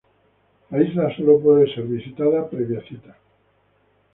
La isla sólo puede ser visitada previa cita.